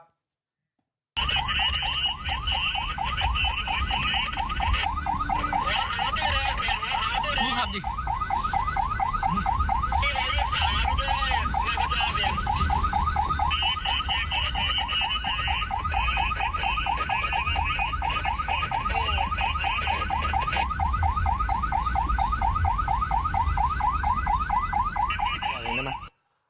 รถสวนดัวอร้อยดั่งมันจะโดด